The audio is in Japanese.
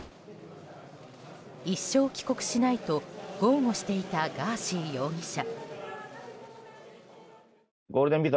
一生帰国しないと豪語していたガーシー容疑者。